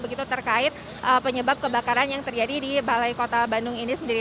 begitu terkait penyebab kebakaran yang terjadi di balai kota bandung ini sendiri